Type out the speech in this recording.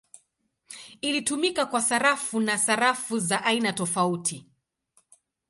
Ilitumika kwa sarafu na sarafu za aina tofauti.